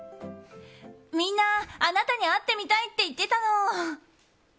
みんなあなたに会ってみたいって言ってたの。